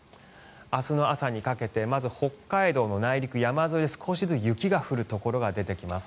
明日の朝にかけてまず北海道の内陸、山沿いで少しずつ雪が降るところが出てきます。